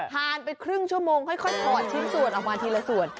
ทานไปครึ่งจมูงค่อยถอดชิ้นส่วนออกมาทีละส่วน